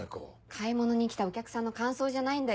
買い物に来たお客さんの感想じゃないんだよ。